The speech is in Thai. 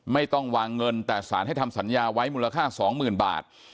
ไม่ต้องวางเงินแต่สารให้ทำสัญญาไว้มูลค่า๒๐๐๐บาท